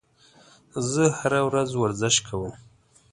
زه هره ورځ ورزش کوم